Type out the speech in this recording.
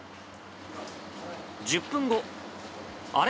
１０分後、あれ？